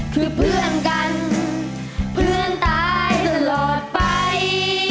คือเพื่อนกันเพื่อนตายตลอดไป